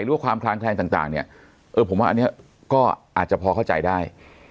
หรือว่าความคลางแคลงต่างเนี่ยเออผมว่าอันนี้ก็อาจจะพอเข้าใจได้